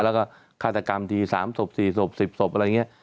แล้วก็ฆาตกรรมที๓ศพ๔ศพ๑๐ศพอะไรอย่างนี้